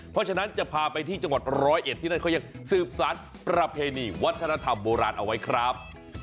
เพราะฉะนั้นจะพาไปที่จังหวัดร้อยเอ็ดที่นั่นเขายังสืบสารประเพณีวัฒนธรรมโบราณเอาไว้ครับ